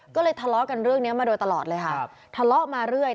ก็เลยทะเลาะกันเรื่องนี้มาโดยตลอดเลยค่ะทะเลาะมาเรื่อย